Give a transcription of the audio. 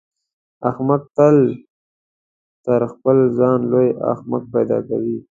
احمق تل تر خپل ځان لوی احمق پیدا کوي.